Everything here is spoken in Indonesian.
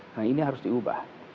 nah ini harus diubah